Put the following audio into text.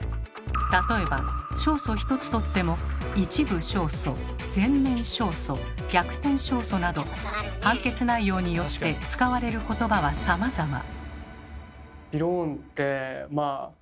例えば勝訴ひとつとっても「一部勝訴」「全面勝訴」「逆転勝訴」など判決内容によって使われる言葉はさまざま。